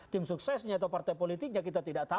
tim suksesnya atau partai politiknya kita tidak tahu